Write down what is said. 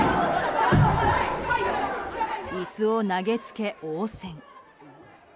椅子を投げつけ応戦。